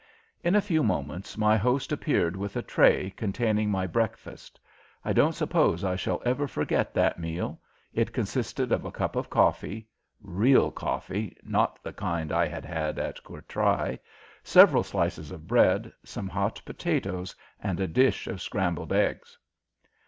In a few moments my host appeared with a tray containing my breakfast. I don't suppose I shall ever forget that meal. It consisted of a cup of coffee real coffee, not the kind I had had at Courtrai several slices of bread, some hot potatoes, and a dish of scrambled eggs.